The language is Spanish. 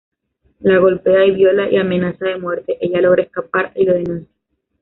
La golpea, viola y amenaza de muerte, ella logra escapar y lo denuncia.